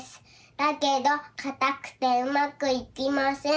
だけどかたくてうまくいきません。